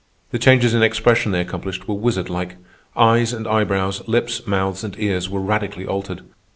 The changes in expression they accomplished were wizard like. Eyes and eyebrows, lips, mouths, and ears, were radically altered.